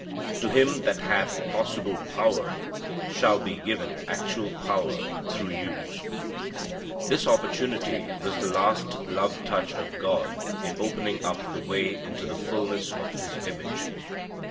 To him that hath possible power shall be given actual power through use. This opportunity was the last love touch of God in opening up the way into the fulness of His image.